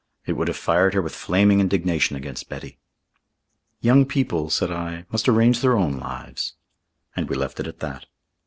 It would have fired her with flaming indignation against Betty. "Young people," said I, "must arrange their own lives." And we left it at that.